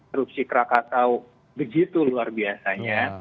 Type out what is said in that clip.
erupsi krakatau begitu luar biasanya